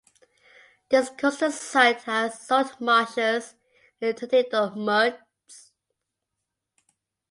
This coastal site has saltmarshes and intertidal muds.